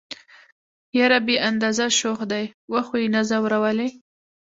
يره بې اندازه شوخ دي وخو يې نه ځورولئ.